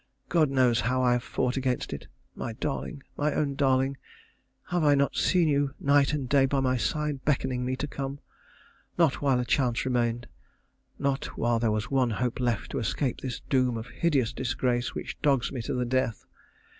God knows how I have fought against it. My darling! my own darling! have I not seen you night and day by my side beckoning me to come? Not while a chance remained. Not while there was one hope left to escape this doom of hideous disgrace which dogs me to the death.